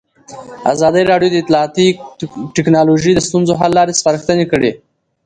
ازادي راډیو د اطلاعاتی تکنالوژي د ستونزو حل لارې سپارښتنې کړي.